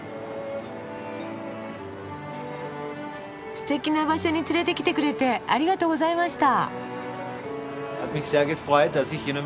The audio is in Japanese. すてきな場所に連れてきてくれてありがとうございました。